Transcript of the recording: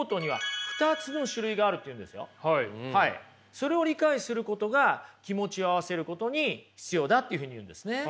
それを理解することが気持ちを合わせることに必要だっていうふうに言うんですね。